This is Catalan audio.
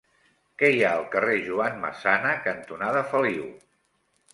Què hi ha al carrer Joan Massana cantonada Feliu?